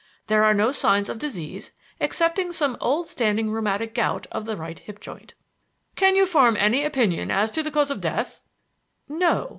There are no signs of disease excepting some old standing rheumatic gout of the right hip joint." "Can you form any opinion as to the cause of death?" "No.